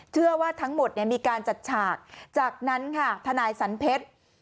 เชื่อว่าทั้งหมดมีการจัดฉากจากนั้นค่ะทนายสันเพชร